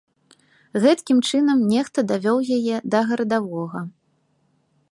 Гэткім чынам нехта давёў яе да гарадавога.